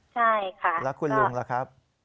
ใช่ค่ะแล้วคุณลุงล่ะครับ